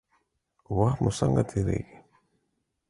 وخت مو څنګه تیریږي؟